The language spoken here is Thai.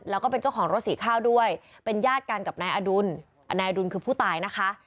แล้วก็เป็นเจ้าของรถสีข้าวด้วยเป็นญาติกันกับนายอดุลนายอดุลคือผู้ตายนะคะ